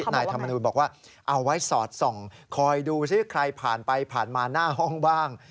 นายธรรมนูลบอกว่าเอาไว้สอดส่องคอยดูซิใครผ่านไปผ่านมาหน้าห้องบ้าง